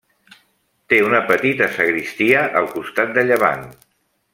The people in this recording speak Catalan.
Té una petita sagristia al costat de llevant.